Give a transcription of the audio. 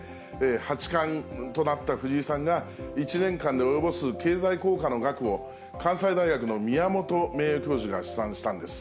八冠となった藤井さんが、１年間で及ぼす経済効果の額を、関西大学の宮本名誉教授が試算したんです。